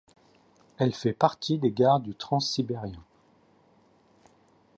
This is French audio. Elle fait partie des gares du Transsibérien.